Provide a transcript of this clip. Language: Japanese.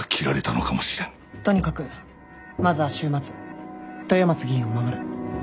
とにかくまずは週末豊松議員を守る。